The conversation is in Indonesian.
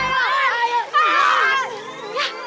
duh digoyok lagi